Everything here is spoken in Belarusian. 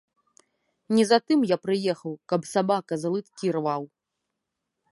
Не за тым я прыехаў, каб сабака за лыткі рваў.